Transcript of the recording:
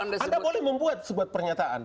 anda boleh membuat sebuah pernyataan